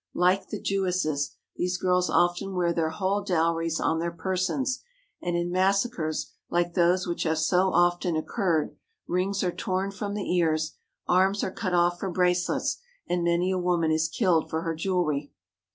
Like the Jewesses, these girls often wear their whole dowries on their persons, and in massacres like those which have so often occurred rings are torn from the ears, arms are cut off for bracelets, and many a woman is killed for her jewellery.